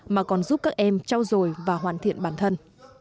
mà còn giúp các em trao dồi và hoàn thiện bản thân